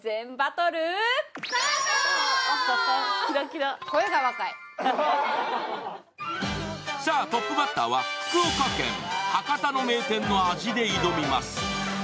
トップバッターは福岡県・博多の名店の味で挑みます。